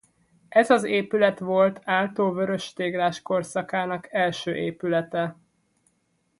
Ez az épület volt Aalto vörös téglás korszakának első épülete.